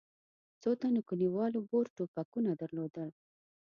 څو تنو کلیوالو بور ټوپکونه درلودل.